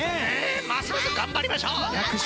ますます頑張りましょう！